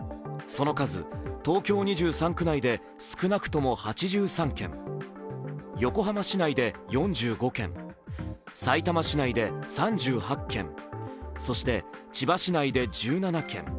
その数、東京２３区内で少なくとも８３件、横浜市内で４５件、さいたま市内で３８件、そして千葉市内で１７件。